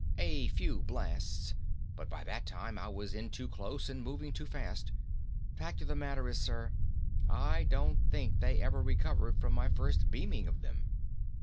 "A few blasts. But by that time I was in too close and moving too fast. Fact of the matter is, sir, I don't think they ever recovered from my first beaming of them."